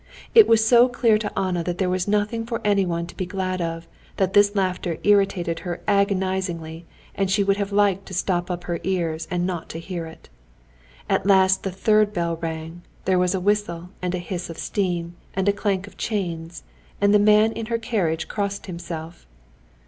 It was so clear to Anna that there was nothing for anyone to be glad of, that this laughter irritated her agonizingly, and she would have liked to stop up her ears not to hear it. At last the third bell rang, there was a whistle and a hiss of steam, and a clank of chains, and the man in her carriage crossed himself.